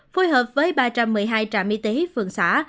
phối hợp với ba trăm một mươi hai trạm y tế phường xã